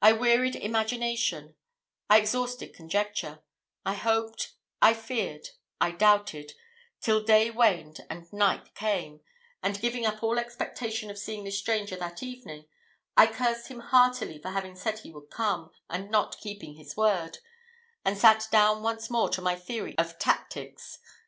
I wearied imagination, I exhausted conjecture; I hoped, I feared, I doubted, till day waned and night came; and, giving up all expectation of seeing the stranger that evening, I cursed him heartily for having said he would come, and not keeping his word, and sat down once more to my theory of tactics.